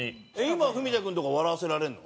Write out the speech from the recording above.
今文田君とか笑わせられるの？